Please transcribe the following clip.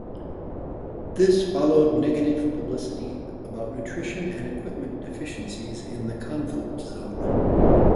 This followed negative publicity about nutrition and equipment deficiencies in the conflict zone.